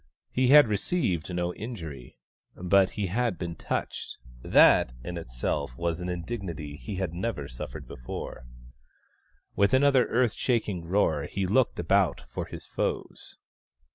He had received no injury, but he had been touched— that in itself was an indignity he had never suffered 32 THE STONE AXE OF BURKAMUKK before. With another earth shaking roar he looked about for his foes.